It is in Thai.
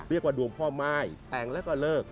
เรียกว่าดวงพ่อม่ายแต่งแล้วก็เลิก